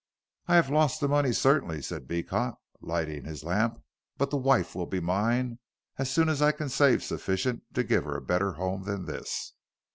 "I have lost the money, certainly," said Beecot, lighting his lamp, "but the wife will be mine as soon as I can save sufficient to give her a better home than this."